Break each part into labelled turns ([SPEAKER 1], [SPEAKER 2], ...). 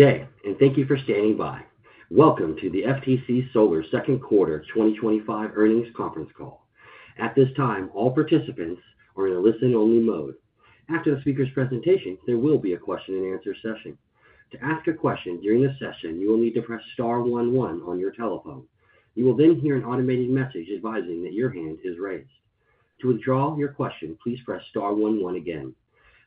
[SPEAKER 1] Today, and thank you for standing by. Welcome to the FTC Solar Second Quarter 2025 Earnings Conference Call. At this time, all participants are in a listen-only mode. After the speaker's presentation, there will be a question-and-answer session. To ask a question during this session, you will need to press star one one on your telephone. You will then hear an automated message advising that your hand is raised. To withdraw your question, please press star one one again.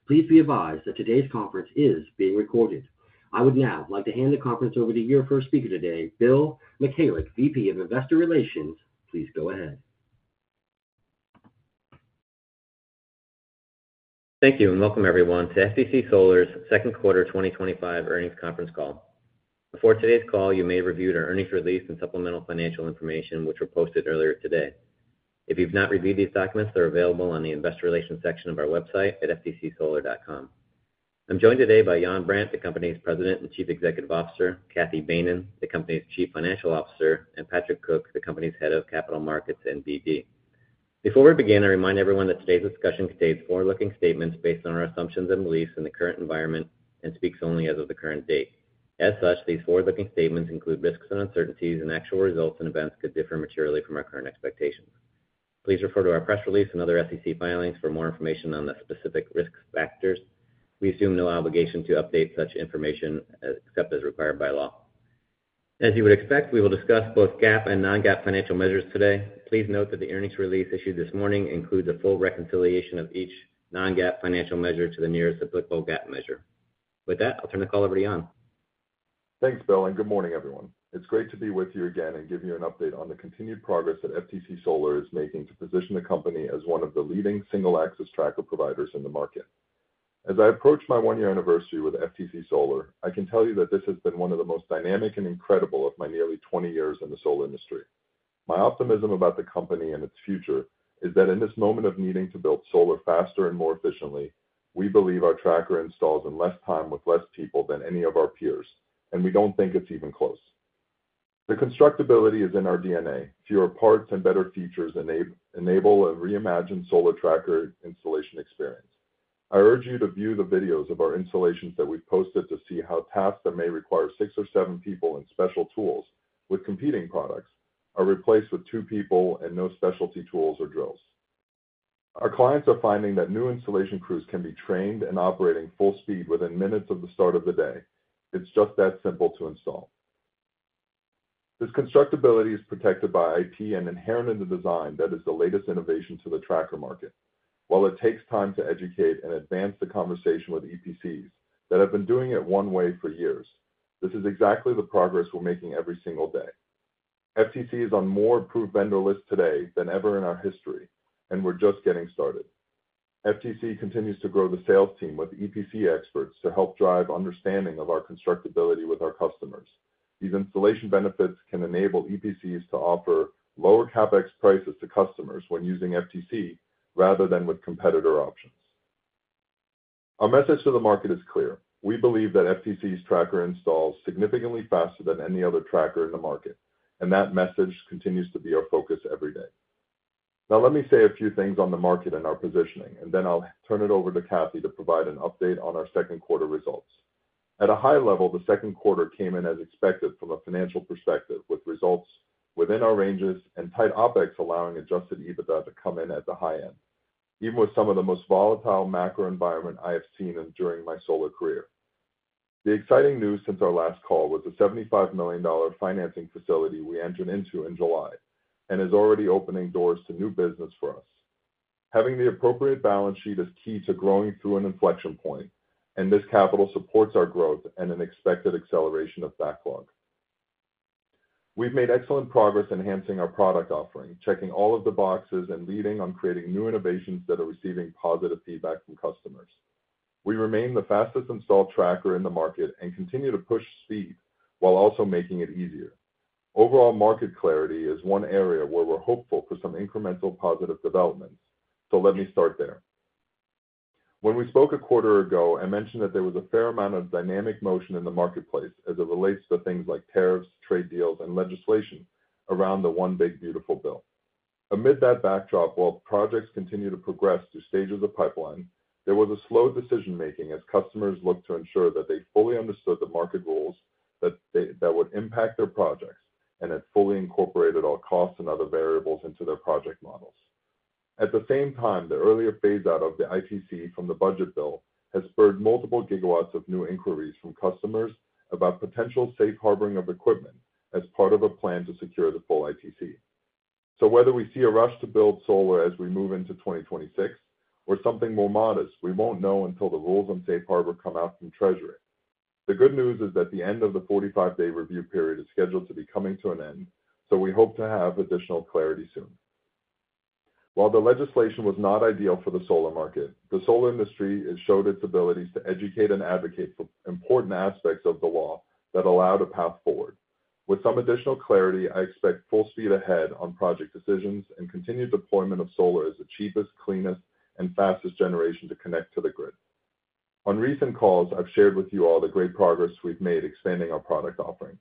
[SPEAKER 1] Please be advised that today's conference is being recorded. I would now like to hand the conference over to your first speaker today, Bill Michalek, VP of Investor Relations. Please go ahead.
[SPEAKER 2] Thank you and welcome everyone to FTC Solar's Second Quarter 2025 Earnings Conference Call. Before today's call, you may have reviewed our earnings release and supplemental financial information, which were posted earlier today. If you've not reviewed these documents, they're available on the Investor Relations section of our website at ftcsolar.com. I'm joined today by Yann Brandt, the company's President and Chief Executive Officer, Cathy Behnen, the company's Chief Financial Officer, and Patrick Cook, the company's Head of Capital Markets and VP. Before we begin, I remind everyone that today's discussion contains forward-looking statements based on our assumptions and beliefs in the current environment and speaks only as of the current date. As such, these forward-looking statements include risks and uncertainties, and actual results and events could differ materially from our current expectations. Please refer to our press release and other SEC filings for more information on the specific risk factors. We assume no obligation to update such information except as required by law. As you would expect, we will discuss both GAAP and non-GAAP financial measures today. Please note that the earnings release issued this morning includes a full reconciliation of each non-GAAP financial measure to the nearest applicable GAAP measure. With that, I'll turn the call over to Yann.
[SPEAKER 3] Thanks, Bill, and good morning, everyone. It's great to be with you again and give you an update on the continued progress that FTC Solar is making to position the company as one of the leading single-axis tracker providers in the market. As I approach my one-year anniversary with FTC Solar, I can tell you that this has been one of the most dynamic and incredible of my nearly 20 years in the solar industry. My optimism about the company and its future is that in this moment of needing to build solar faster and more efficiently, we believe our tracker installs in less time with fewer people than any of our peers, and we don't think it's even close. The constructability is in our DNA. Fewer parts and better features enable a reimagined solar tracker installation experience. I urge you to view the videos of our installations that we've posted to see how tasks that may require six or seven people and special tools with competing products are replaced with two people and no specialty tools or drills. Our clients are finding that new installation crews can be trained and operating full speed within minutes of the start of the day. It's just that simple to install. This constructability is protected by IP and inherent in the design that is the latest innovation to the tracker market. While it takes time to educate and advance the conversation with EPCs that have been doing it one way for years, this is exactly the progress we're making every single day. FTC is on more approved vendor lists today than ever in our history, and we're just getting started. FTC continues to grow the sales team with EPC experts to help drive understanding of our constructability with our customers. These installation benefits can enable EPCs to offer lower CapEx prices to customers when using FTC rather than with competitor options. Our message to the market is clear. We believe that FTC's tracker installs significantly faster than any other tracker in the market, and that message continues to be our focus every day. Now, let me say a few things on the market and our positioning, and then I'll turn it over to Cathy to provide an update on our second quarter results. At a high level, the second quarter came in as expected from a financial perspective with results within our ranges and tight OpEx, allowing adjusted EBITDA to come in at the high end, even with some of the most volatile macro environment I have seen during my solar career. The exciting news since our last call was the $75 million financing facility we entered into in July and is already opening doors to new business for us. Having the appropriate balance sheet is key to growing through an inflection point, and this capital supports our growth and an expected acceleration of backlog. We've made excellent progress enhancing our product offering, checking all of the boxes, and leading on creating new innovations that are receiving positive feedback from customers. We remain the fastest installed tracker in the market and continue to push speed while also making it easier. Overall market clarity is one area where we're hopeful for some incremental positive development, so let me start there. When we spoke a quarter ago and mentioned that there was a fair amount of dynamic motion in the marketplace as it relates to things like tariffs, trade deals, and legislation around the one big beautiful bill. Amid that backdrop, while projects continue to progress through stages of pipeline, there was a slow decision-making as customers looked to ensure that they fully understood the market rules that would impact their projects and had fully incorporated all costs and other variables into their project models. At the same time, the earlier phase-out of the ITC from the budget bill has spurred multiple gigawatts of new inquiries from customers about potential safe harboring of equipment as part of a plan to secure the full ITC. Whether we see a rush to build solar as we move into 2026 or something more modest, we won't know until the rules on safe harbor come out from Treasury. The good news is that the end of the 45-day review period is scheduled to be coming to an end, so we hope to have additional clarity soon. While the legislation was not ideal for the solar market, the solar industry has shown its abilities to educate and advocate for important aspects of the law that allowed a path forward. With some additional clarity, I expect full speed ahead on project decisions and continued deployment of solar as the cheapest, cleanest, and fastest generation to connect to the grid. On recent calls, I've shared with you all the great progress we've made expanding our product offering.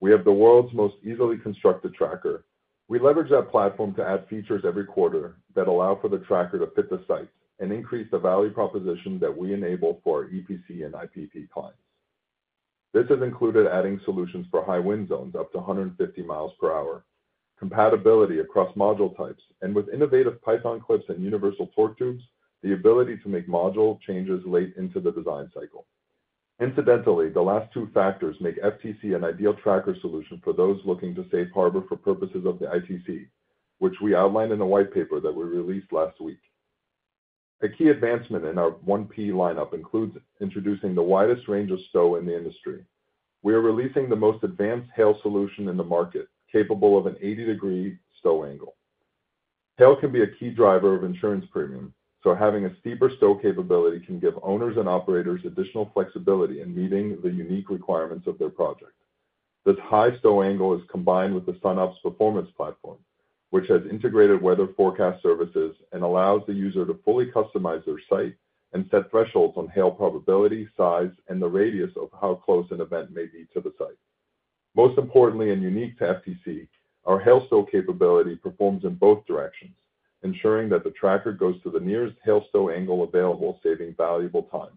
[SPEAKER 3] We have the world's most easily constructed tracker. We leverage that platform to add features every quarter that allow for the tracker to fit the site and increase the value proposition that we enable for our EPC and IPP clients. This has included adding solutions for high wind zones up to 150 mi per hour, compatibility across module types, and with innovative python clips and module-agnostic universal torque tubes, the ability to make module changes late into the design cycle. Incidentally, the last two factors make FTC an ideal tracker solution for those looking to safe harbor for purposes of the ITC, which we outlined in a white paper that we released last week. A key advancement in our 1P lineup includes introducing the widest range of stow in the industry. We are releasing the most advanced hail solution in the market, capable of an 80-degree stow angle. Hail can be a key driver of insurance premium, so having a steeper stow capability can give owners and operators additional flexibility in meeting the unique requirements of their project. This high stow angle is combined with the SUNOPS performance platform, which has integrated weather forecast services and allows the user to fully customize their site and set thresholds on hail probability, size, and the radius of how close an event may be to the site. Most importantly and unique to FTC, our hail stow capability performs in both directions, ensuring that the tracker goes to the nearest hail stow angle available, saving valuable time.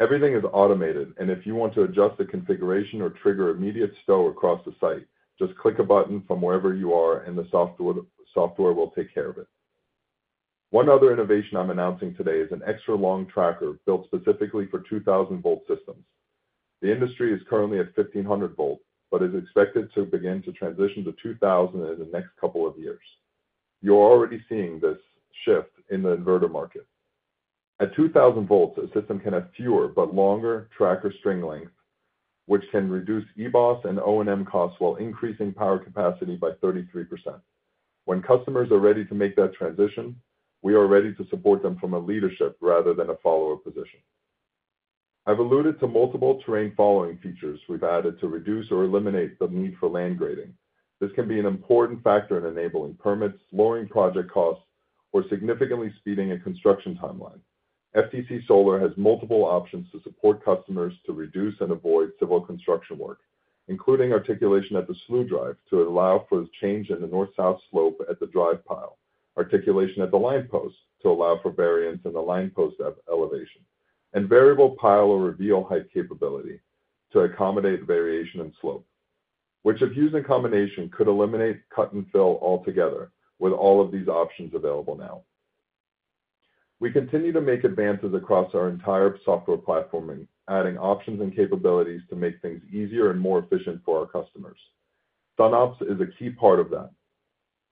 [SPEAKER 3] Everything is automated, and if you want to adjust the configuration or trigger immediate stow across the site, just click a button from wherever you are, and the software will take care of it. One other innovation I'm announcing today is an extra long tracker built specifically for 2000-volt systems. The industry is currently at 1500 volts, but is expected to begin to transition to 2000 volts in the next couple of years. You're already seeing this shift in the inverter market. At 2000 volts, a system can have fewer but longer tracker string lengths, which can reduce EBOS and O&M costs while increasing power capacity by 33%. When customers are ready to make that transition, we are ready to support them from a leadership rather than a follower position. I've alluded to multiple terrain-following features we've added to reduce or eliminate the need for land grading. This can be an important factor in enabling permits, lowering project costs, or significantly speeding a construction timeline. FTC Solar has multiple options to support customers to reduce and avoid civil construction work, including articulation at the slew drive to allow for a change in the north-south slope at the drive pile, articulation at the line post to allow for variance in the line post elevation, and variable pile or reveal height capability to accommodate variation in slope, which if used in combination could eliminate cut and fill altogether with all of these options available now. We continue to make advances across our entire software platform and adding options and capabilities to make things easier and more efficient for our customers. SUNOPS is a key part of that.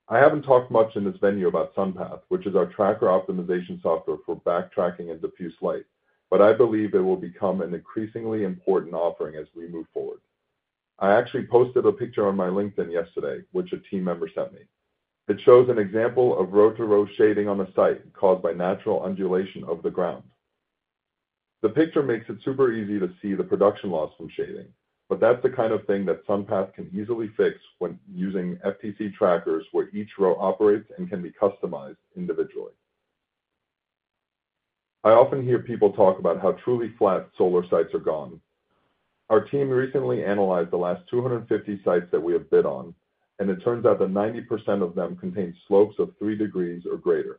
[SPEAKER 3] I haven't talked much in this venue about SunPath, which is our tracker optimization software for backtracking and diffuse light, but I believe it will become an increasingly important offering as we move forward. I actually posted a picture on my LinkedIn yesterday, which a team member sent me. It shows an example of row-to-row shading on the site caused by natural undulation of the ground. The picture makes it super easy to see the production loss from shading, but that's the kind of thing that SunPath can easily fix when using FTC trackers where each row operates and can be customized individually. I often hear people talk about how truly flat solar sites are gone. Our team recently analyzed the last 250 sites that we have bid on, and it turns out that 90% of them contain slopes of three degrees or greater.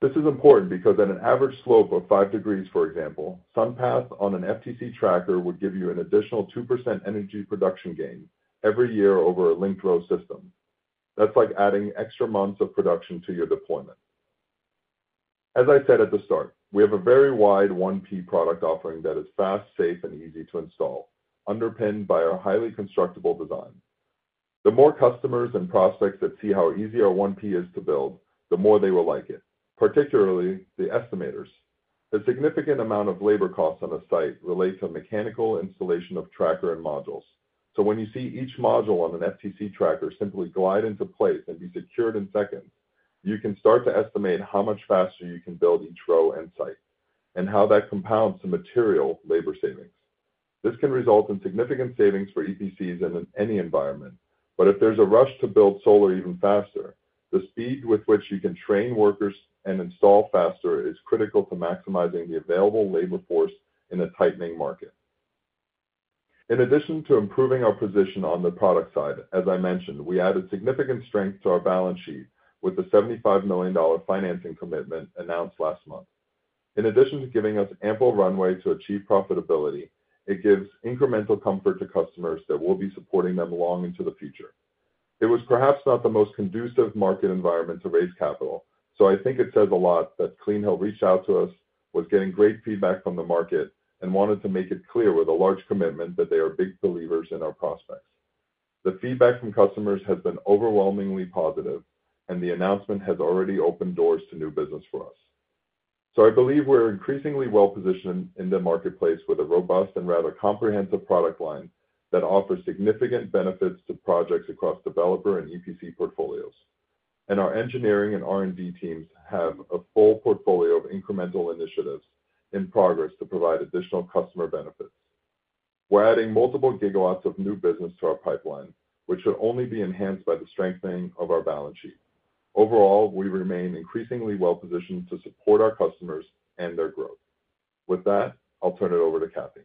[SPEAKER 3] This is important because at an average slope of five degrees, for example, SunPath on an FTC tracker would give you an additional 2% energy production gain every year over a linked row system. That's like adding extra months of production to your deployment. As I said at the start, we have a very wide 1P product offering that is fast, safe, and easy to install, underpinned by our highly constructable design. The more customers and prospects that see how easy our 1P is to build, the more they will like it, particularly the estimators. A significant amount of labor costs on the site relate to mechanical installation of tracker and modules. When you see each module on an FTC tracker simply glide into place and be secured in seconds, you can start to estimate how much faster you can build each row and site and how that compounds to material labor savings. This can result in significant savings for EPCs in any environment, but if there's a rush to build solar even faster, the speed with which you can train workers and install faster is critical to maximizing the available labor force in a tightening market. In addition to improving our position on the product side, as I mentioned, we added significant strength to our balance sheet with the $75 million financing commitment announced last month. In addition to giving us ample runway to achieve profitability, it gives incremental comfort to customers that we'll be supporting them long into the future. It was perhaps not the most conducive market environment to raise capital, so I think it says a lot that CleanHill reached out to us, was getting great feedback from the market, and wanted to make it clear with a large commitment that they are big believers in our prospects. The feedback from customers has been overwhelmingly positive, and the announcement has already opened doors to new business for us. I believe we're increasingly well positioned in the marketplace with a robust and rather comprehensive product line that offers significant benefits to projects across developer and EPC portfolios. Our engineering and R&D teams have a full portfolio of incremental initiatives in progress to provide additional customer benefits. We're adding multiple gigawatts of new business to our pipeline, which should only be enhanced by the strengthening of our balance sheet. Overall, we remain increasingly well positioned to support our customers and their growth. With that, I'll turn it over to Cathy.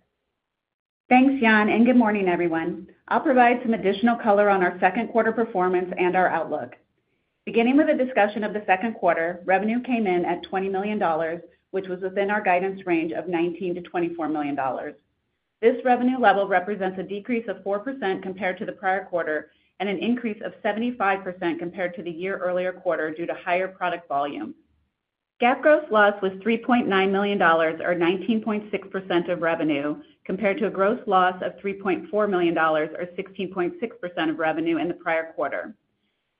[SPEAKER 4] Thanks, Yann, and good morning, everyone. I'll provide some additional color on our second quarter performance and our outlook. Beginning with a discussion of the second quarter, revenue came in at $20 million, which was within our guidance range of $19 million-$24 million. This revenue level represents a decrease of 4% compared to the prior quarter and an increase of 75% compared to the year earlier quarter due to higher product volume. GAAP gross loss was $3.9 million, or 19.6% of revenue, compared to a gross loss of $3.4 million, or 16.6% of revenue in the prior quarter.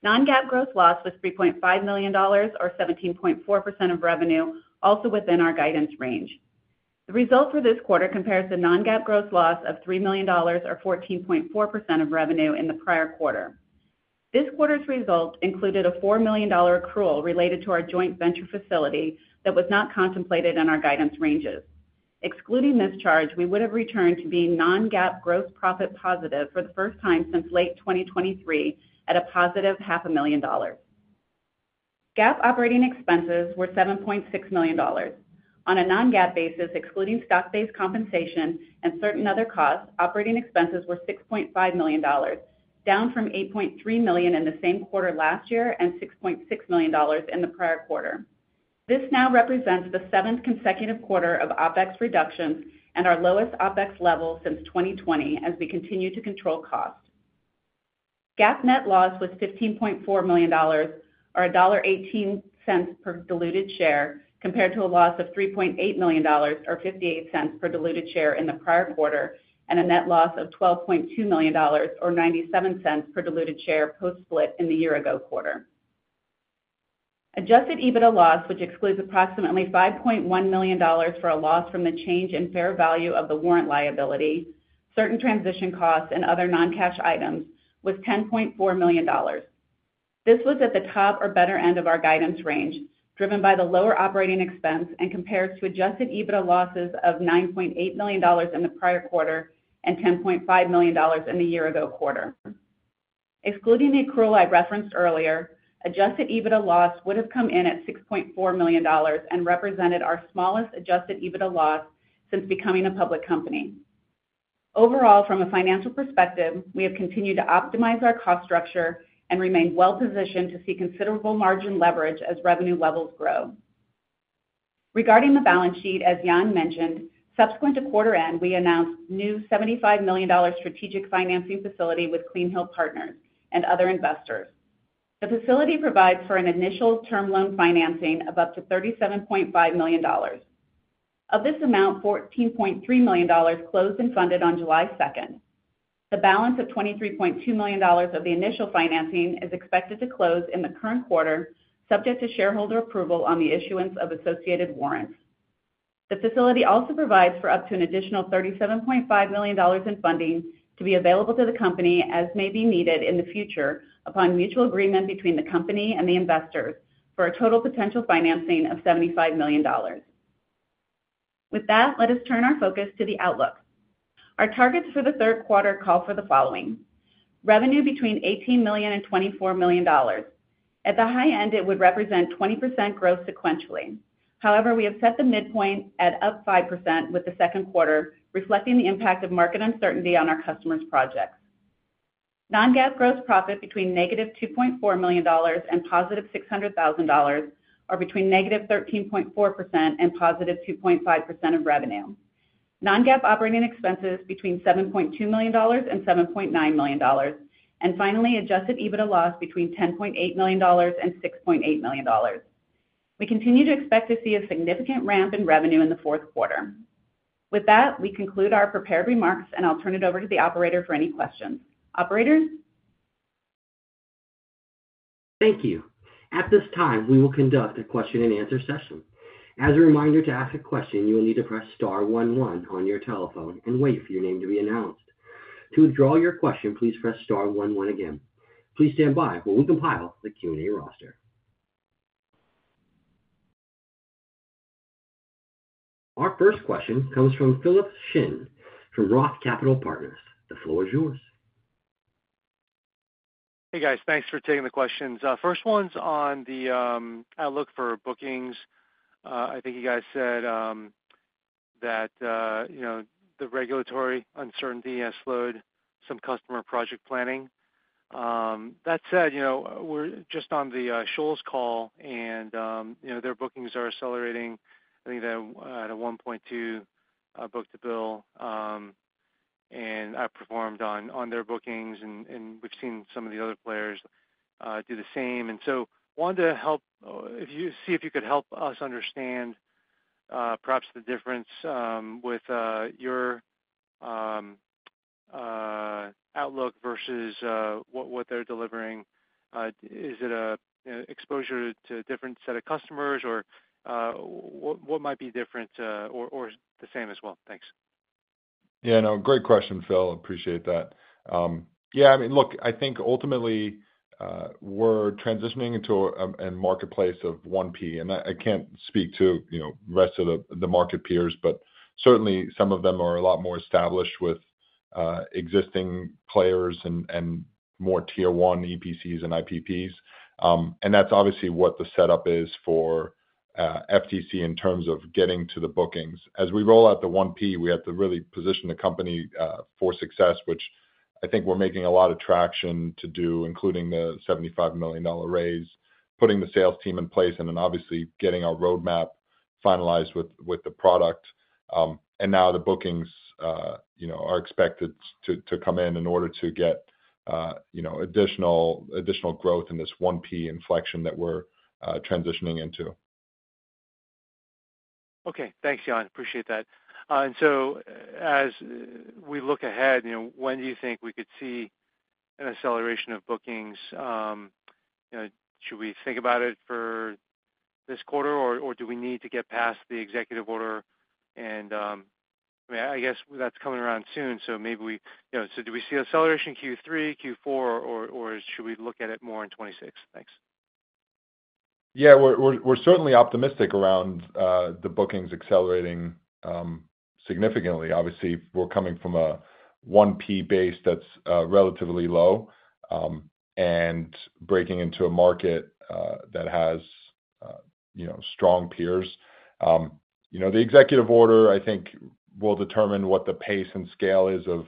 [SPEAKER 4] Non-GAAP gross loss was $3.5 million, or 17.4% of revenue, also within our guidance range. The result for this quarter compares the non-GAAP gross loss of $3 million, or 14.4% of revenue in the prior quarter. This quarter's result included a $4 million accrual related to our joint venture facility that was not contemplated in our guidance ranges. Excluding this charge, we would have returned to being non-GAAP gross profit positive for the first time since late 2023 at a +$500,000. GAAP operating expenses were $7.6 million. On a non-GAAP basis, excluding stock-based compensation and certain other costs, operating expenses were $6.5 million, down from $8.3 million in the same quarter last year and $6.6 million in the prior quarter. This now represents the seventh consecutive quarter of OpEx reductions and our lowest OpEx level since 2020 as we continue to control cost. GAAP net loss was $15.4 million, or $1.18 per diluted share, compared to a loss of $3.8 million, or $0.58 per diluted share in the prior quarter, and a net loss of $12.2 million, or $0.97 per diluted share post-split in the year-ago quarter. Adjusted EBITDA loss, which excludes approximately $5.1 million for a loss from the change in fair value of the warrant liability, certain transition costs, and other non-cash items, was $10.4 million. This was at the top or better end of our guidance range, driven by the lower operating expense and compared to adjusted EBITDA losses of $9.8 million in the prior quarter and $10.5 million in the year-ago quarter. Excluding the accrual I referenced earlier, adjusted EBITDA loss would have come in at $6.4 million and represented our smallest adjusted EBITDA loss since becoming a public company. Overall, from a financial perspective, we have continued to optimize our cost structure and remain well positioned to see considerable margin leverage as revenue levels grow. Regarding the balance sheet, as Yann mentioned, subsequent to quarter end, we announced a new $75 million strategic financing facility with CleanHill Partners and other investors. The facility provides for an initial term loan financing of up to $37.5 million. Of this amount, $14.3 million closed and funded on July 2nd. The balance of $23.2 million of the initial financing is expected to close in the current quarter, subject to shareholder approval on the issuance of associated warrants. The facility also provides for up to an additional $37.5 million in funding to be available to the company as may be needed in the future upon mutual agreement between the company and the investors for a total potential financing of $75 million. With that, let us turn our focus to the outlook. Our targets for the third quarter call for the following: revenue between $18 million and $24 million. At the high end, it would represent 20% growth sequentially. However, we have set the midpoint at up 5% with the second quarter, reflecting the impact of market uncertainty on our customers' projects. Non-GAAP gross profit between -$2.4 million and positive $600,000 are between -13.4% and +2.5% of revenue. Non-GAAP operating expenses between $7.2 million and $7.9 million, and finally, adjusted EBITDA loss between $10.8 million and $6.8 million. We continue to expect to see a significant ramp in revenue in the fourth quarter. With that, we conclude our prepared remarks, and I'll turn it over to the operator for any questions. Operators?
[SPEAKER 1] Thank you. At this time, we will conduct a question-and-answer session. As a reminder, to ask a question, you will need to press star one one on your telephone and wait for your name to be announced. To withdraw your question, please press star one one again. Please stand by while we compile the Q&A roster. Our first question comes from Philip Shen from Roth Capital Partners. The floor is yours.
[SPEAKER 5] Hey, guys. Thanks for taking the questions. First one's on the outlook for bookings. I think you guys said that the regulatory uncertainty has slowed some customer project planning. That said, we were just on the Scholes call, and their bookings are accelerating. I think they're at a $1.2 book-to-bill, and I performed on their bookings, and we've seen some of the other players do the same. I wanted to see if you could help us understand perhaps the difference with your outlook versus what they're delivering. Is it an exposure to a different set of customers, or what might be different or the same as well? Thanks.
[SPEAKER 3] Yeah, no, great question, Phil. Appreciate that. I mean, look, I think ultimately we're transitioning into a marketplace of 1P, and I can't speak to the rest of the market peers, but certainly some of them are a lot more established with existing players and more tier one EPCs and IPPs. That's obviously what the setup is for FTC in terms of getting to the bookings. As we roll out the 1P, we have to really position the company for success, which I think we're making a lot of traction to do, including the $75 million raise, putting the sales team in place, and obviously getting our roadmap finalized with the product. Now the bookings are expected to come in in order to get additional growth in this 1P inflection that we're transitioning into.
[SPEAKER 5] Okay, thanks, Yann. Appreciate that. As we look ahead, when do you think we could see an acceleration of bookings? Should we think about it for this quarter, or do we need to get past the executive order? I guess that's coming around soon, so do we see an acceleration Q3, Q4, or should we look at it more in 2026? Thanks.
[SPEAKER 3] Yeah, we're certainly optimistic around the bookings accelerating significantly. Obviously, we're coming from a 1P base that's relatively low and breaking into a market that has strong peers. The executive order, I think, will determine what the pace and scale is of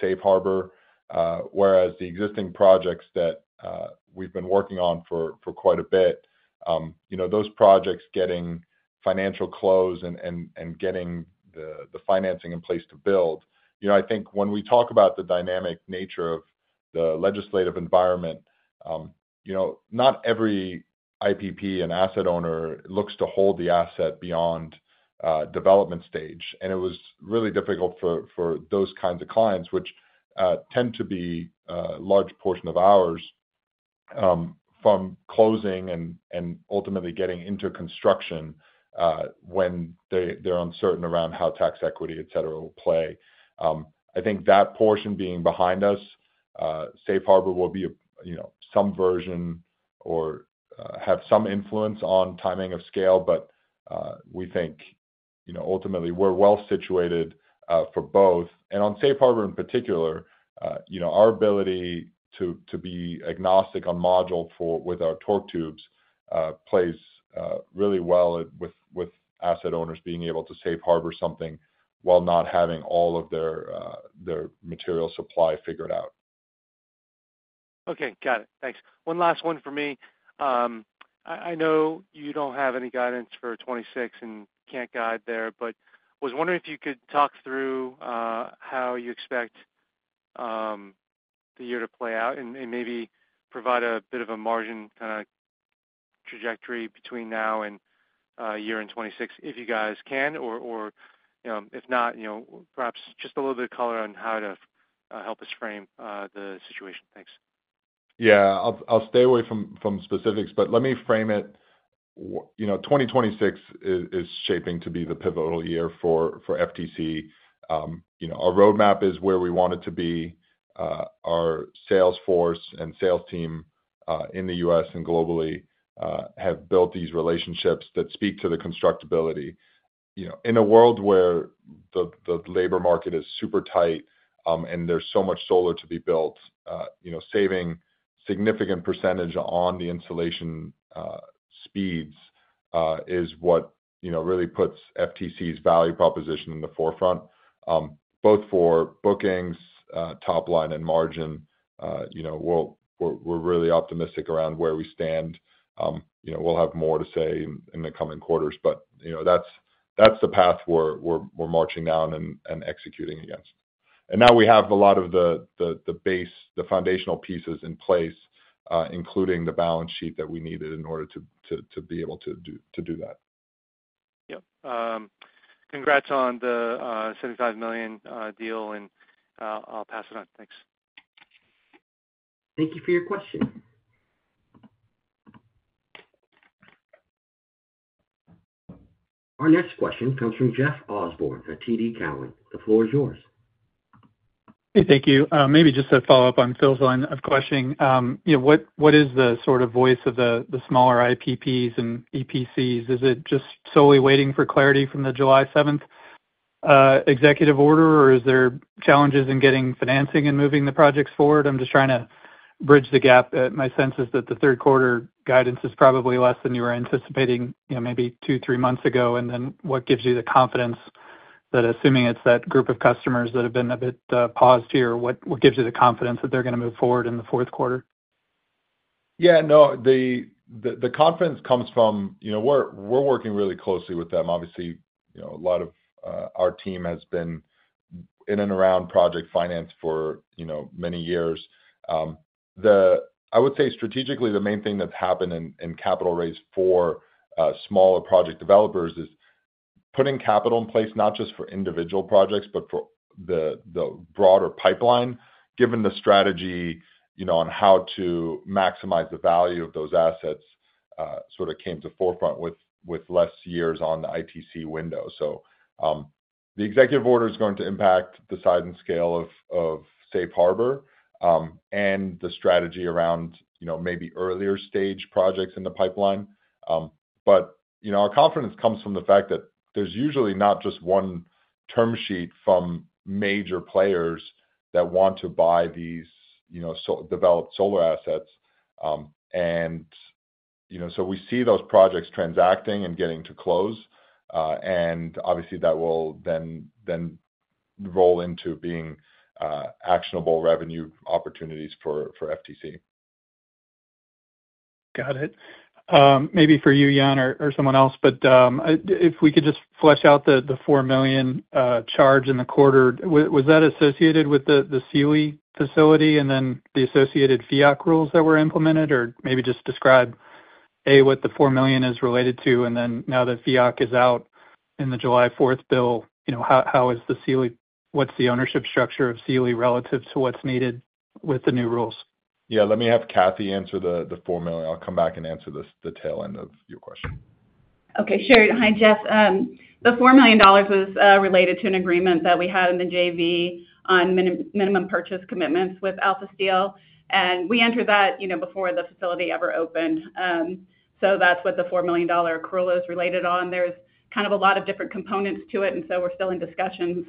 [SPEAKER 3] safe harbor, whereas the existing projects that we've been working on for quite a bit, those projects getting financial close and getting the financing in place to build. I think when we talk about the dynamic nature of the legislative environment, not every IPP and asset owner looks to hold the asset beyond development stage. It was really difficult for those kinds of clients, which tend to be a large portion of ours, from closing and ultimately getting into construction when they're uncertain around how tax equity, et cetera, will play. I think that portion being behind us, safe harbor will be some version or have some influence on timing of scale, but we think ultimately we're well situated for both. On safe harbor in particular, our ability to be agnostic on module with our torque tubes plays really well with asset owners being able to safe harbor something while not having all of their material supply figured out.
[SPEAKER 5] Okay, got it. Thanks. One last one for me. I know you don't have any guidance for 2026 and can't guide there, but I was wondering if you could talk through how you expect the year to play out and maybe provide a bit of a margin kind of trajectory between now and a year in 2026, if you guys can, or if not, perhaps just a little bit of color on how to help us frame the situation. Thanks.
[SPEAKER 3] Yeah, I'll stay away from specifics, but let me frame it. 2026 is shaping to be the pivotal year for FTC. Our roadmap is where we want it to be. Our sales force and sales team in the U.S. and globally have built these relationships that speak to the constructability. In a world where the labor market is super tight and there's so much solar to be built, saving a significant percentage on the installation speeds is what really puts FTC's value proposition in the forefront, both for bookings, top line, and margin. We're really optimistic around where we stand. We'll have more to say in the coming quarters, but that's the path we're marching down and executing against. We now have a lot of the base, the foundational pieces in place, including the balance sheet that we needed in order to be able to do that.
[SPEAKER 5] Yep. Congrats on the $75 million deal, and I'll pass it on. Thanks.
[SPEAKER 1] Thank you for your question. Our next question comes from Jeff Osborne at TD Cowen. The floor is yours.
[SPEAKER 6] Hey, thank you. Maybe just to follow up on Phil's line of questioning, what is the sort of voice of the smaller IPPs and EPCs? Is it just solely waiting for clarity from the July 7th executive order, or is there challenges in getting financing and moving the projects forward? I'm just trying to bridge the gap. My sense is that the third quarter guidance is probably less than you were anticipating maybe two months, three months ago. What gives you the confidence that, assuming it's that group of customers that have been a bit paused here, they're going to move forward in the fourth quarter?
[SPEAKER 3] Yeah, no, the confidence comes from we're working really closely with them. Obviously, a lot of our team has been in and around project finance for many years. I would say strategically, the main thing that's happened in capital raise for smaller project developers is putting capital in place not just for individual projects, but for the broader pipeline, given the strategy on how to maximize the value of those assets sort of came to the forefront with less years on the ITC window. The executive order is going to impact the size and scale of safe harbor and the strategy around maybe earlier stage projects in the pipeline. Our confidence comes from the fact that there's usually not just one term sheet from major players that want to buy these developed solar assets. We see those projects transacting and getting to close. Obviously, that will then roll into being actionable revenue opportunities for FTC.
[SPEAKER 6] Got it. Maybe for you, Yann, or someone else, if we could just flesh out the $4 million charge in the quarter, was that associated with the COE facility and then the associated FEOC rules that were implemented? Maybe just describe, A, what the $4 million is related to, and now that FEOC is out in the July 4th bill, how is the COE, what's the ownership structure of COE relative to what's needed with the new rules?
[SPEAKER 3] Yeah, let me have Cathy answer the $4 million. I'll come back and answer the tail end of your question.
[SPEAKER 4] Okay, sure. Hi, Jeff. The $4 million was related to an agreement that we had in the JV on minimum purchase commitments with Alpha Steel. We entered that before the facility ever opened. That's what the $4 million accrual is related on. There are kind of a lot of different components to it, and we're still in discussions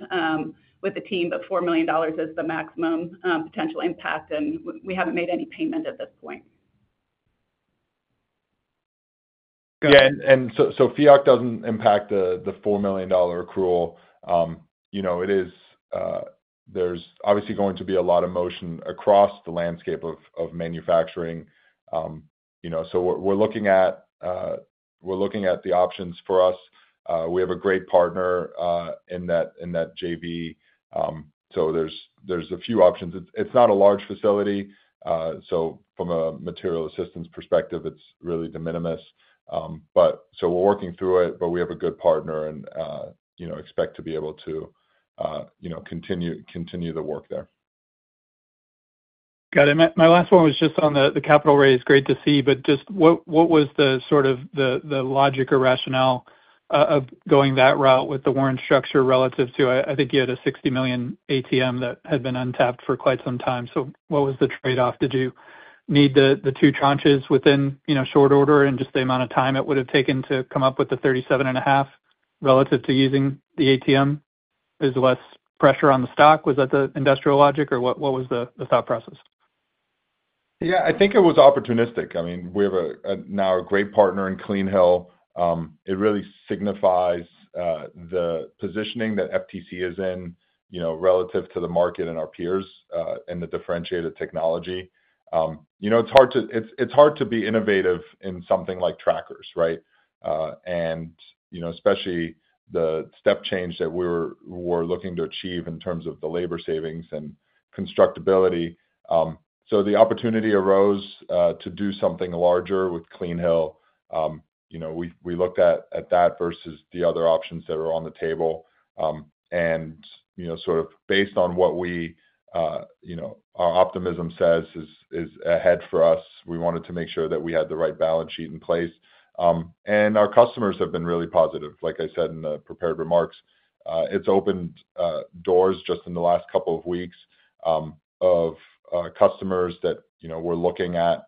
[SPEAKER 4] with the team, but $4 million is the maximum potential impact, and we haven't made any payment at this point.
[SPEAKER 3] Yeah, FEOC doesn't impact the $4 million accrual. There's obviously going to be a lot of motion across the landscape of manufacturing. We're looking at the options for us. We have a great partner in that JV, so there's a few options. It's not a large facility, so from a material assistance perspective, it's really de minimis. We're working through it, but we have a good partner and expect to be able to continue the work there.
[SPEAKER 6] Got it. My last one was just on the capital raise. Great to see, but just what was the sort of the logic or rationale of going that route with the warrant structure relative to, I think you had a $60 million ATM that had been untapped for quite some time. What was the trade-off? Did you need the two tranches within short order and just the amount of time it would have taken to come up with the $37.5 million relative to using the ATM? Was less pressure on the stock? Was that the industrial logic or what was the thought process?
[SPEAKER 3] Yeah, I think it was opportunistic. I mean, we have now a great partner in CleanHill. It really signifies the positioning that FTC is in relative to the market and our peers and the differentiated technology. It's hard to be innovative in something like trackers, right? Especially the step change that we were looking to achieve in terms of the labor savings and constructability. The opportunity arose to do something larger with CleanHill. We looked at that versus the other options that were on the table. Based on what our optimism says is ahead for us, we wanted to make sure that we had the right balance sheet in place. Our customers have been really positive, like I said in the prepared remarks. It's opened doors just in the last couple of weeks of customers that were looking at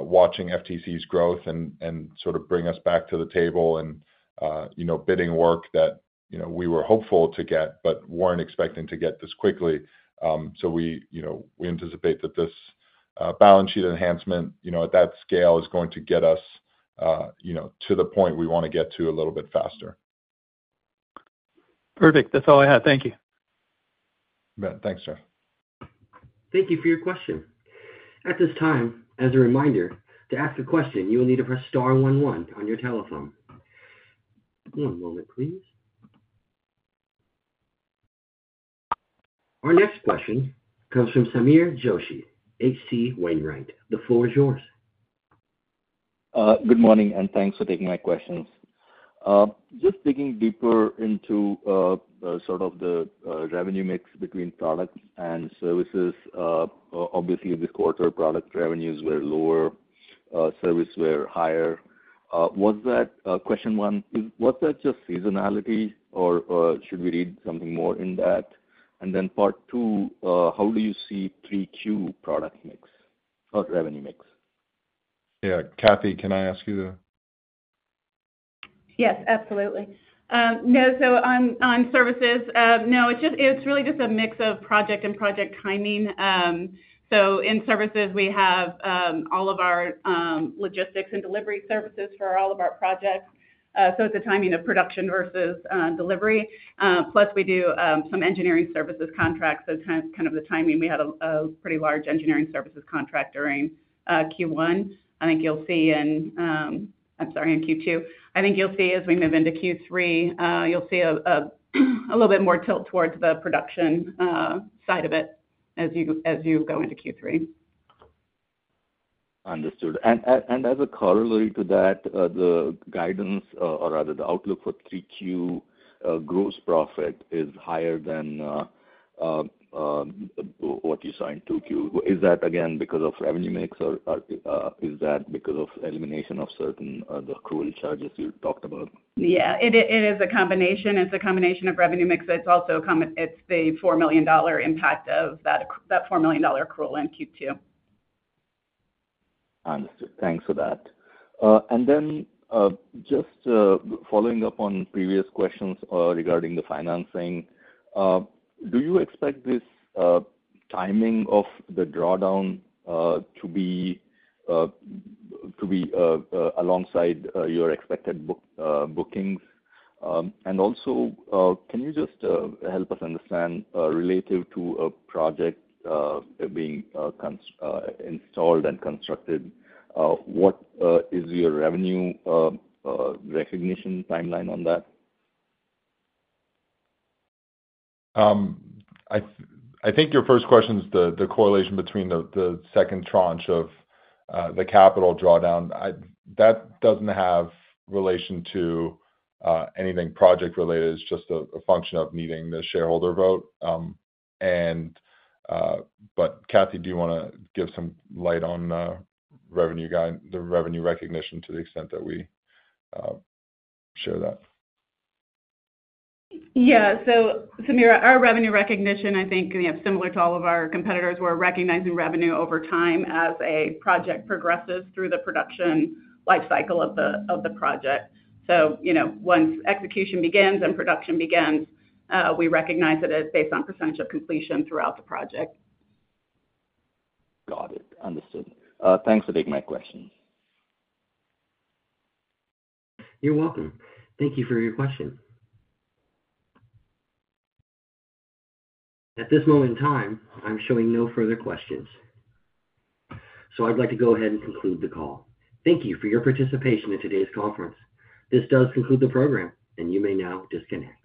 [SPEAKER 3] watching FTC's growth and sort of bring us back to the table and bidding work that we were hopeful to get but weren't expecting to get this quickly. We anticipate that this balance sheet enhancement at that scale is going to get us to the point we want to get to a little bit faster.
[SPEAKER 6] Perfect. That's all I had. Thank you.
[SPEAKER 3] Thanks, Jeff.
[SPEAKER 1] Thank you for your question. At this time, as a reminder, to ask a question, you will need to press star one one on your telephone. One moment, please. Our next question comes from Sameer Joshi, H.C. Wainwright. The floor is yours.
[SPEAKER 7] Good morning, and thanks for taking my questions. Just digging deeper into sort of the revenue mix between products and services, obviously this quarter product revenues were lower, service were higher. Was that question one, was that just seasonality, or should we read something more in that? Part two, how do you see 3Q product mix or revenue mix?
[SPEAKER 3] Yeah, Cathy, can I ask you?
[SPEAKER 4] Yes, absolutely. On services, it's really just a mix of project and project timing. In services, we have all of our logistics and delivery services for all of our projects. It's a timing of production versus delivery. Plus, we do some engineering services contracts. It's kind of the timing. We had a pretty large engineering services contract during Q2. I think you'll see as we move into Q3, you'll see a little bit more tilt towards the production side of it as you go into Q3.
[SPEAKER 7] Understood. As a corollary to that, the guidance or rather the outlook for 3Q gross profit is higher than what you saw in 2Q. Is that again because of revenue mix, or is that because of elimination of certain accrual charges you talked about?
[SPEAKER 4] Yeah, it is a combination. It's a combination of revenue mix. It's also the $4 million impact of that $4 million accrual in Q2.
[SPEAKER 7] Understood. Thanks for that. Just following up on previous questions regarding the financing, do you expect this timing of the drawdown to be alongside your expected bookings? Also, can you just help us understand relative to a project being installed and constructed, what is your revenue recognition timeline on that?
[SPEAKER 3] I think your first question is the correlation between the second tranche of the capital drawdown. That doesn't have relation to anything project-related. It's just a function of meeting the shareholder vote. Cathy, do you want to give some light on the revenue recognition to the extent that we share that?
[SPEAKER 4] Yeah, Sameer, our revenue recognition, I think, similar to all of our competitors, we're recognizing revenue over time as a project progresses through the production lifecycle of the project. Once execution begins and production begins, we recognize it based on percentage of completion throughout the project.
[SPEAKER 7] Got it. Understood. Thanks for taking my question.
[SPEAKER 1] You're welcome. Thank you for your question. At this moment in time, I'm showing no further questions. I'd like to go ahead and conclude the call. Thank you for your participation in today's conference. This does conclude the program, and you may now disconnect.